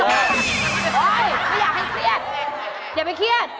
เฮ้ยไม่อยากให้เครียดอย่าไปเครียด